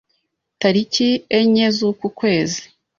Tariki enye z'uku kwezi